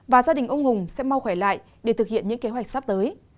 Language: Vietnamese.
và gia đình ông hùng sẽ mau khỏe lại để thực hiện những kế hoạch sắp tới